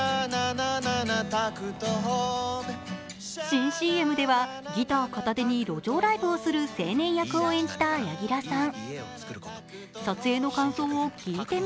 新ＣＭではギター片手に路上ライブをする青年役を演じた柳楽さん。